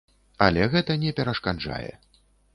Але гэта не перашкаджае.